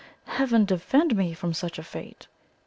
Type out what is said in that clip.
Heaven defend me from such a fate!"